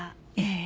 ええ。